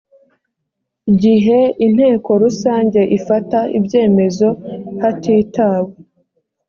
gihe inteko rusange ifata ibyemezo hatitawe